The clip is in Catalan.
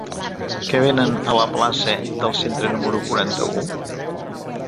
Què venen a la plaça del Centre número quaranta-u?